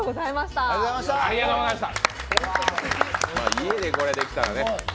家でこれできたらね。